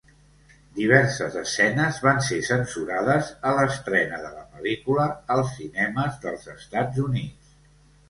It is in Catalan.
Diverses escenes van ser censurades a l'estrena de la pel·lícula als cinemes dels Estats Units.